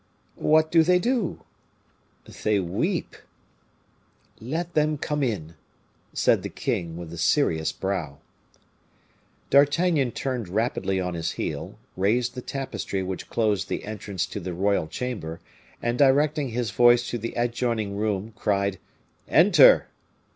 "What do they do?" "They weep." "Let them come in," said the king, with a serious brow. D'Artagnan turned rapidly on his heel, raised the tapestry which closed the entrance to the royal chamber, and directing his voice to the adjoining room, cried, "Enter."